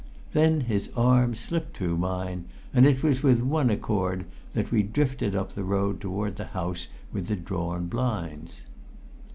Then his arm slipped through mine, and it was with one accord that we drifted up the road toward the house with the drawn blinds.